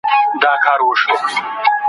ماشوم په خوب کې د یوې رنګینې نړۍ لید درلود.